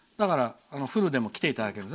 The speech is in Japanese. フルで来ていただけるので。